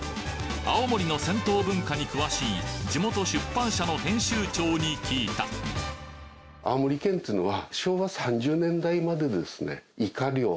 青森の銭湯文化に詳しい地元出版社の編集長に聞いた青森県っていうのは。